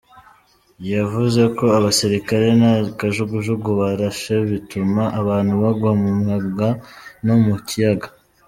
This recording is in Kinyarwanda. Yavuze ko abasirikare na kajugujugu barashe bituma abantu bagwa mu manga no mu kiyaga.